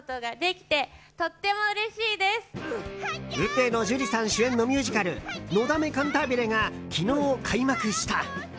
上野樹里さん主演のミュージカル「のだめカンタービレ」が昨日開幕した。